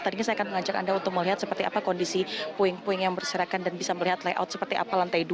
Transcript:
tadinya saya akan mengajak anda untuk melihat seperti apa kondisi puing puing yang berserakan dan bisa melihat layout seperti apa lantai dua